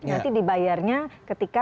nanti dibayarnya ketika